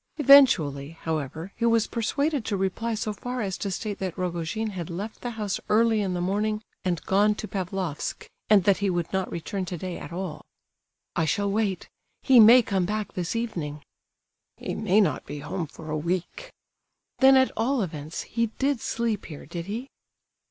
Eventually, however, he was persuaded to reply so far as to state that Rogojin had left the house early in the morning and gone to Pavlofsk, and that he would not return today at all. "I shall wait; he may come back this evening." "He may not be home for a week." "Then, at all events, he did sleep here, did he?"